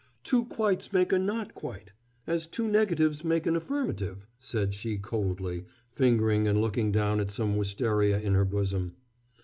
"Two 'quites' make a 'not quite,' as two negatives make an affirmative," said she coldly, fingering and looking down at some wistaria in her bosom.